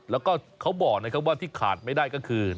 แล้วก็เขาบอกนะครับว่าที่ขาดไม่ได้ก็คือ